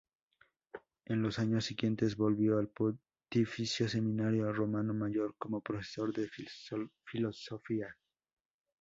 En los años siguientes volvió al Pontificio Seminario Romano Mayor como profesor de filosofía.